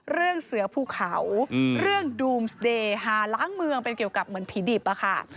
เรื่องเสือภูเขาเรื่องดูมสเดย์ฮาล้างเมืองเป็นเกี่ยวกับเหมือนผีดิบอะค่ะ